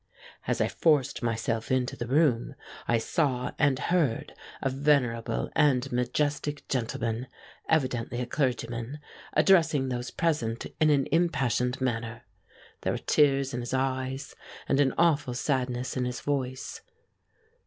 As I forced myself into the room I saw and heard a venerable and majestic gentleman, evidently a clergyman, addressing those present in an impassioned manner. There were tears in his eyes and an awful sadness in his voice.